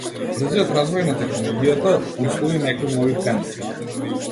Брзиот развој на технологијата услови некои нови трендови.